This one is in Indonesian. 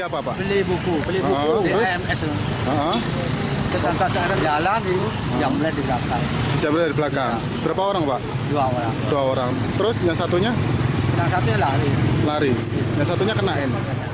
berapa orang pak dua orang terus yang satunya lari yang satunya kena n